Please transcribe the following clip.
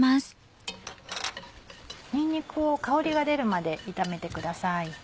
にんにくを香りが出るまで炒めてください。